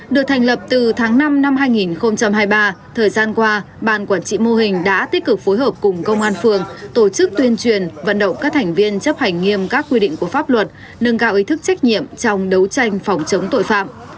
được thành lập từ tháng năm năm hai nghìn hai mươi ba thời gian qua bàn quản trị mô hình đã tích cực phối hợp cùng công an phường tổ chức tuyên truyền vận động các thành viên chấp hành nghiêm các quy định của pháp luật nâng cao ý thức trách nhiệm trong đấu tranh phòng chống tội phạm